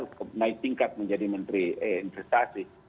yang diperoleh oleh tingkat menjadi menteri investasi